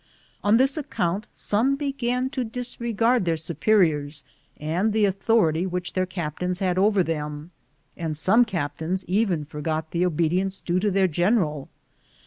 On this account some began to disregard their superiors and the authority which their captains had over am Google THE JOURNEY OP CORONADO them, and some captains even forgot the obedience due to their general.